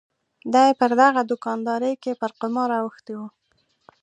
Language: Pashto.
دای پر دغه دوکاندارۍ کې پر قمار اوښتی و.